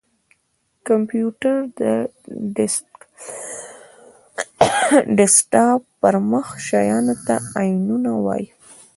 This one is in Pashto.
کمپېوټر:د ډیسکټاپ پر مخ شېانو ته آیکنونه وایې!